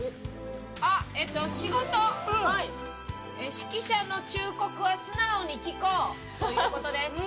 仕事は、識者の忠告は素直に聞こうということです。